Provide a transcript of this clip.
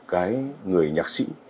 cái người nhạc sĩ